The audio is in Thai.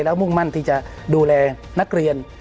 แล้วมุ่งมั่นที่จะดูแลนักเรียน